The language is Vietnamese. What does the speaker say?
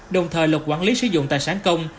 đồng thời luật quản lý sử dụng tài sản công